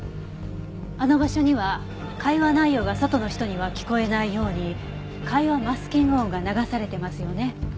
あの場所には会話内容が外の人には聞こえないように会話マスキング音が流されてますよね。